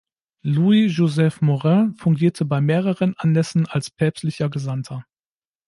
Louis-Joseph Maurin fungierte bei mehreren Anlässen als Päpstlicher Gesandter.